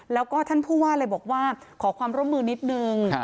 แล้วก็ท่านผู้ว่าเลยบอกว่าขอความร่วมมือนิดนึง